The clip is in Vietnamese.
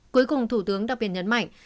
cuối cùng thủ tướng đặc biệt nhấn mạnh